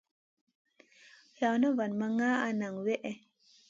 Lawna vat ma nʼgaana nang wihè.